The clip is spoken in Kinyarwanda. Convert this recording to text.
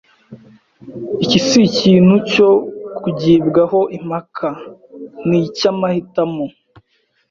Iki si ikintu cyo kugibwaho impaka ni icy'amahitamo